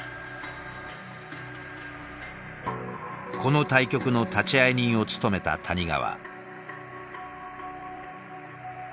この対局の立会人を務めた谷川。